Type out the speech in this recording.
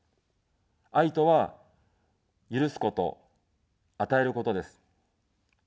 愛とは、許すこと、与えることです。